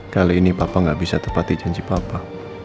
kali ini papa nggak bisa tepati janji papa